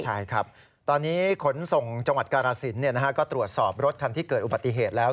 ใช่ครับตอนนี้ขนส่งจังหวัดกาลสินก็ตรวจสอบรถคันที่เกิดอุบัติเหตุแล้ว